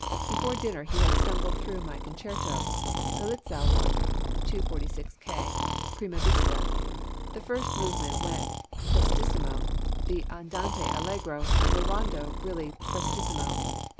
Before dinner he had stumbled through my concerto the Litzau one (246 K.) prima vista; the first movement went prestissimo, the andante allegro, and the rondo really prestissimo.